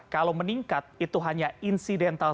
kalau meningkat itu hanya insidental